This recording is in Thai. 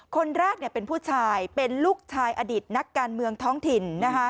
คนแรกเป็นผู้ชายเป็นลูกชายอดีตนักการเมืองท้องถิ่น